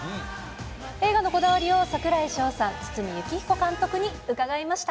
映画のこだわりを櫻井翔さん、堤幸彦監督に伺いました。